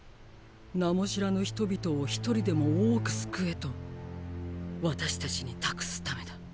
名も知らぬ人々を一人でも多く救えと私たちに託すためだ。